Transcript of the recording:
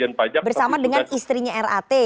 ya ini yang aktif bersama dengan istrinya rat